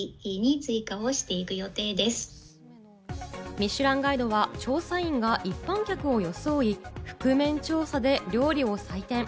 『ミシュランガイド』は調査員が一般客を装い、覆面調査で料理を採点。